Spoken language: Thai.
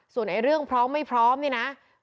ส่วนเรื่องพร้อมไม่พร้อมเนี่ยนะ